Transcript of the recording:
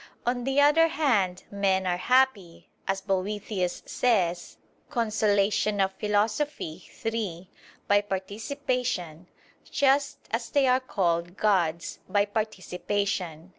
On the other hand, men are happy, as Boethius says (De Consol. iii), by participation; just as they are called "gods," by participation.